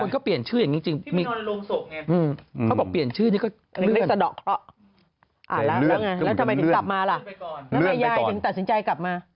แล้วคุณกลับมาเหรออ่ะร่างใหญ่ตัดสินใจกลับมา